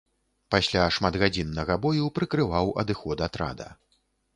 Пасля шматгадзіннага бою прыкрываў адыход атрада.